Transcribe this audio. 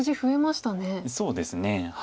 そうですね。